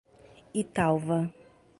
Italva